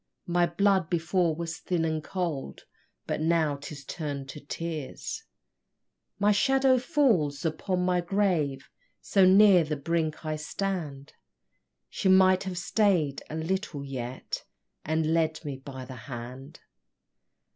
My blood before was thin and cold But now 'tis turn'd to tears; My shadow falls upon my grave, So near the brink I stand, She might have stay'd a little yet, And led me by the hand!